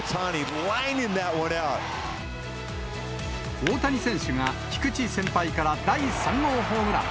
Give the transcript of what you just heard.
大谷選手が菊池先輩から第３号ホームラン。